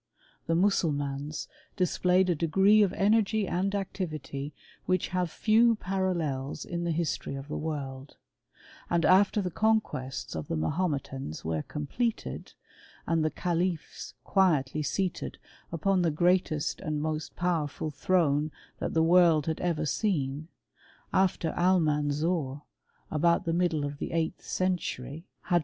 The Mussulmans displayed a degree of energy and activity which have few parallels in the history of the world : and after the conquests of the Mahometans were completed, and the Califs quietly seated upon the greatest and most powerful throne that the world had ever seen ; after Almanzor, about the middle of the eighth cenlurj^^RaA. 112 HISTOEY OP CHEMISTRY.